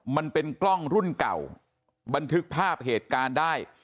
มันเป็นกล้องรุ่นเก่าบันทึกภาพเหตุการณ์ได้